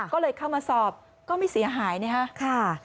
ก็เลยเข้ามาสอบก็ไม่เสียหายนะครับ